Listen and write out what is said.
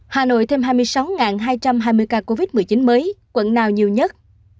hà nội thêm hai mươi sáu hai trăm hai mươi ca covid một mươi chín mới quận nào nhiều nhất